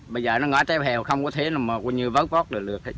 bây giờ nó ngã treo heo không có thế mà vớt vót được được